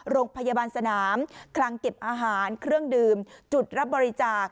โรงพยาบาลสนามคลังเก็บอาหารเครื่องดื่มจุดรับบริจาค